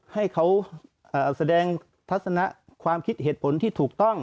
ให้เขาแสดงทัศนะความคิดเหตุผลที่ถูกต้อง